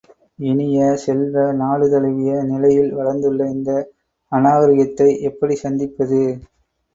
இனிய செல்வ, நாடு தழுவிய, நிலையில் வளர்ந்துள்ள இந்த அநாகரிகத்தை எப்படிச் சந்திப்பது?